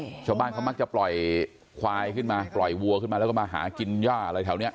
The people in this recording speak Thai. ชาวบ้านเขามักจะปล่อยควายขึ้นมาปล่อยวัวขึ้นมาแล้วก็มาหากินย่าอะไรแถวเนี้ย